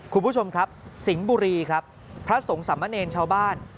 คุณผู้ชมครับสิงห์บุรีครับพระสงฆ์สามเณรชาวบ้าน